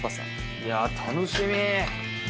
いや楽しみ！